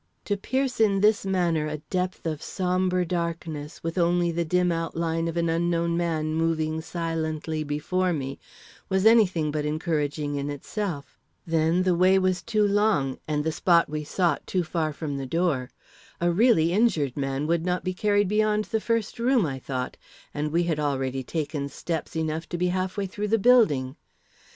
To pierce in this manner a depth of sombre darkness, with only the dim outline of an unknown man moving silently before me, was any thing but encouraging in itself. Then the way was too long, and the spot we sought too far from the door. A really injured man would not be carried beyond the first room, I thought, and we had already taken steps enough to be half way through the building.